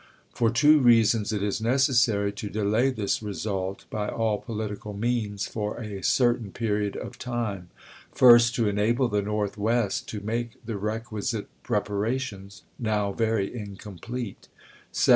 For two reasons it is necessary to delay this result by all political means for a certain period of time : 1st, To enable the Northwest to make the requisite preparations, now very incomplete; "^^w.